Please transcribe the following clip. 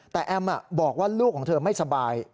แต่แอมบอกว่าลูกของเธอไม่สบาย